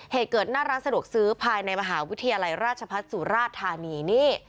เหตุเกิดหน้าร้านสะดวกซื้อภายในมหาวิทยาลัยราชพัฒน์สุราชธานีนี่